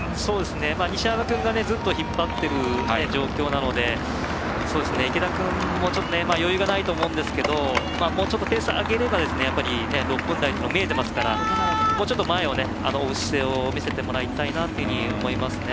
西山君がずっと引っ張ってる状態なので池田君も、ちょっと余裕がないと思うんですけどもうちょっとペース上げれば６分台も見えてますからもうちょっと前を追う姿勢を見せてほしいと思いますね。